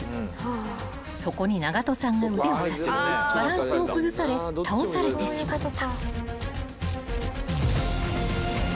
［そこに長門さんが腕を差しバランスを崩され倒されてしまった］